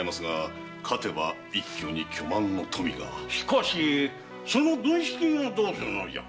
しかし軍資金はどうするのじゃ？